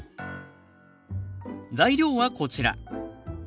材料はこちら。